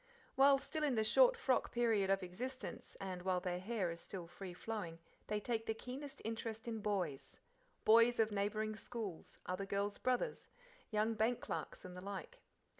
While still in the short frock period of existence, and while their hair is still free flowing, they take the keenest interest in boys boys of neighbouring schools, other girls' brothers, young bank clerks, and the like.